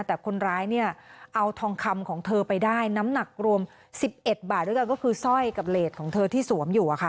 แต่คนร้ายเนี่ยเอาทองคำของเธอไปได้น้ำหนักรวม๑๑บาทด้วยกันก็คือสร้อยกับเลสของเธอที่สวมอยู่อะค่ะ